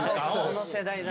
その世代だ。